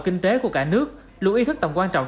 kinh tế của cả nước luôn ý thức tầm quan trọng